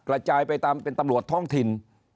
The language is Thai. กระจายไปตามเป็นตำรวจท้องถิ่น